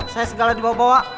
saya segala dibawa bawa